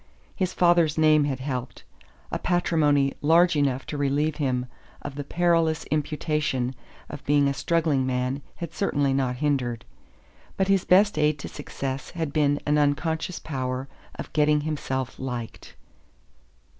His father's name had helped; a patrimony large enough to relieve him of the perilous imputation of being a struggling man had certainly not hindered. But his best aid to success had been an unconscious power of getting himself liked.